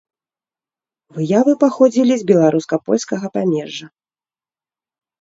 Выявы паходзілі з беларуска-польскага памежжа.